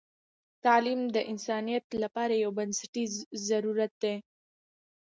تعلیم د انسانیت لپاره یو بنسټیز ضرورت دی.